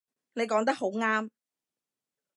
你講得好啱